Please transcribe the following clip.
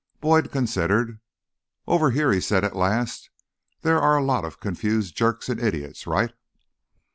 Boyd considered. "Over here," he said at last, "there are a lot of confused jerks and idiots. Right?"